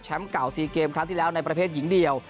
เก่า๔เกมครั้งที่แล้วในประเภทหญิงเดียว